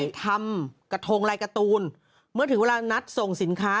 ทำกระทงลายการ์ตูนเมื่อถึงเวลานัดส่งสินค้า